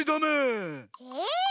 え？